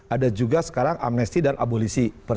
ada juga sekarang amnesti dan abolisi